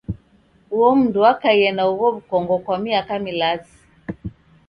Uo mndu wakaie na ugho w'ukongo kwa miaka milazi.